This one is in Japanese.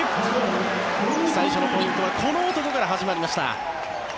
最初のポイントはこの男から始まりました。